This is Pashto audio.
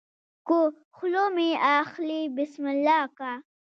که خوله مې اخلې بسم الله که